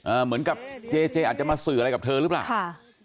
เหมือนกับเจเจอาจจะมาสื่ออะไรกับเธอหรือเปล่าค่ะ